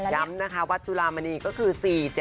ย้ำนะคะวัดจุลามณีก็คือ๔๗